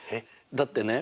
だってね